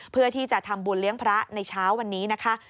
เพื่อที่จะทำบุญเลี้ยงพระในเช้าวันนี้นะคะ